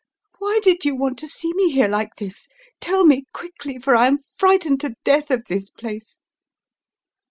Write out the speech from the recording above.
Why did you want to see me here like this? Tell me quickly, for I am frightened to death of this place."